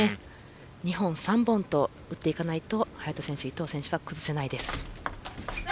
２本、３本と打っていかないと早田選手、伊藤選手は崩せないです。